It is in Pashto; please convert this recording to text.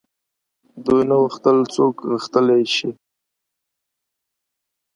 دوی نه غوښتل څوک غښتلي شي.